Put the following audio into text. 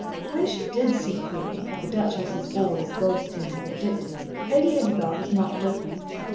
When she did see Queenie, at the Duchess's ball as Goldstein had predicted, Lady Isabel was not with her.